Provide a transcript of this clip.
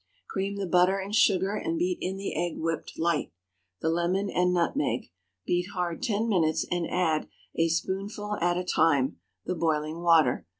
Cream the butter and sugar and beat in the egg whipped light; the lemon and nutmeg. Beat hard ten minutes, and add, a spoonful at a time, the boiling water.